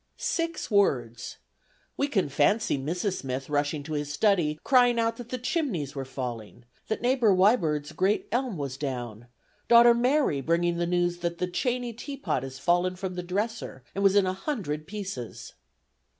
Six words! We can fancy Mrs. Smith rushing to his study, crying out that the chimneys were falling, that Neighbor Wibird's great elm was down; daughter Mary bringing the news that the "Chaney Teapot had fallen from the dresser and was in a hundred pieces."